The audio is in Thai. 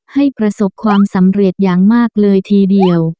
ประสบความสำเร็จอย่างมากเลยทีเดียว